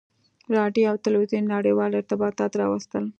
• راډیو او تلویزیون نړیوال ارتباطات راوستل.